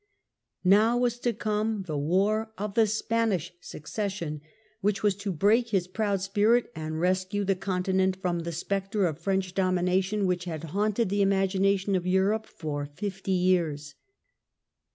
Now was to come the war of the Spanish Succession, which was to break his proud spirit and rescue the Continent from the spectre of French domination which had haunted the imagination of Europe for fifty years.